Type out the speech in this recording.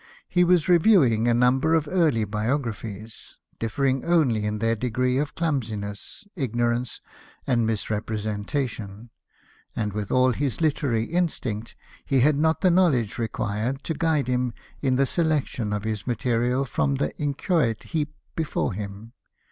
He was reviewing a number of early biographies, differing only in their degree of clumsiness, ignorance, and misrepresenta tion ; and with all his literary instinct, he had not the knowledge required to guide him in the selection of his material from the inchoate heap before him.